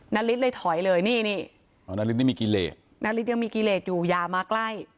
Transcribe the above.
นาริสเลยถอยเลยนี่นาริสยังมีกิเลสอยู่ยามาใกล้